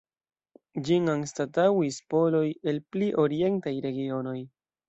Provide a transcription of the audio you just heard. Ĝin anstataŭis poloj el pli orientaj regionoj.